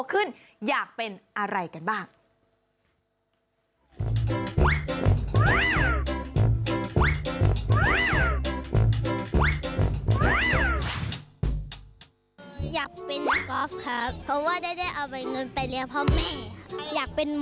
เพราะว่าได้เอามีเงินไปเลี้ยงเพราะแม่